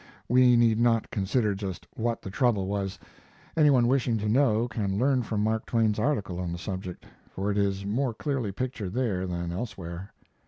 We need not consider just what the trouble was. Any one wishing to know can learn from Mark Twain's article on the subject, for it is more clearly pictured there than elsewhere.